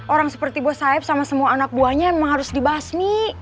orang seperti bu saeb sama semua anak buahnya emang harus dibasmi